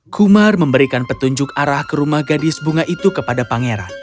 kumar memberikan petunjuk arah ke rumah gadis bunga itu kepada pangeran